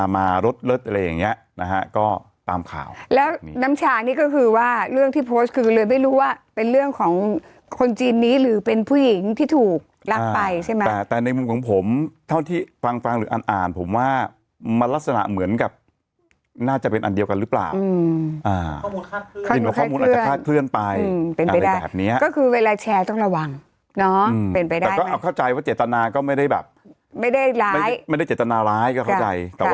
มารถเลิศอะไรอย่างเงี้ยนะฮะก็ตามข่าวแล้วน้ำฉากนี่ก็คือว่าเรื่องที่โพสต์คือเลยไม่รู้ว่าเป็นเรื่องของคนจีนนี้หรือเป็นผู้หญิงที่ถูกรักไปใช่ไหมแต่ในมุมของผมเท่าที่ฟังฟังหรืออ่านอ่านผมว่ามันลักษณะเหมือนกับน่าจะเป็นอันเดียวกันหรือเปล่าอ่าข้อมูลข้าดเพื่อนอาจจะข้าดเพื่อนไปอืมเป็นไปได้แบบ